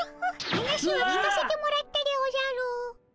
話は聞かせてもらったでおじゃる。